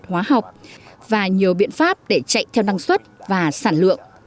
hóa học và nhiều biện pháp để chạy theo năng suất và sản lượng